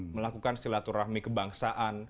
melakukan silaturahmi kebangsaan